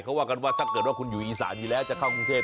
เขาว่ากันว่าถ้าเกิดว่าคุณอยู่อีสานอยู่แล้วจะเข้ากรุงเทพ